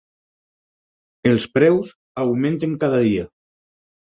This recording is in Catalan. Els preus augmenten cada dia.